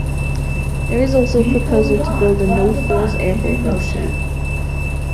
There is also a proposal to build a no frills airport for the city.